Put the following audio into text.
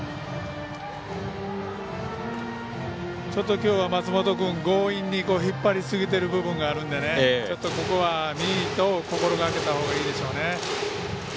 きょうは松本君、強引に引っ張りすぎている部分があるのでここは、ミートを心がけたほうがいいでしょうね。